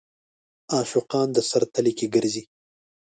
عاشقان د سر تلي کې ګرځي.